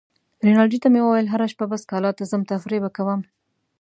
رینالډي ته مې وویل: هره شپه به سکالا ته ځم، تفریح به کوم.